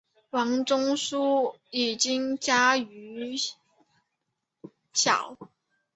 王仲殊已经家喻户晓。